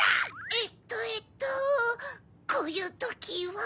えっとえっとこういうときは。